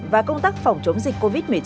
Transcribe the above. và công tác phòng chống dịch covid một mươi chín